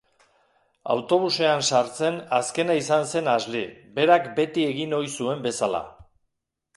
Autobusean sartzen azkena izan zen Asli, berak beti egin ohi zuen bezala.